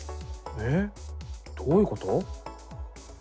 えどういうこと？